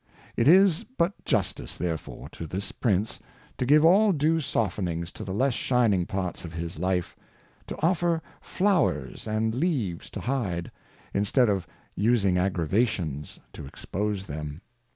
It is but Justice therefore to this Prince, to give all due Softenings to the less shining Parts of his Life ; to offer Flowers and Leaves to hide, instead of using Aggravations to expose them.